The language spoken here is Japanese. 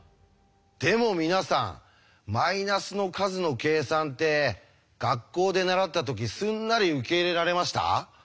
でも皆さんマイナスの数の計算って学校で習った時すんなり受け入れられました？